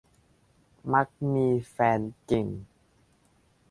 มักมีแฟนเก่ง